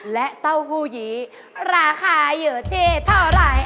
และเต้าหู้ยีราคาอยู่ที่เท่าไหร่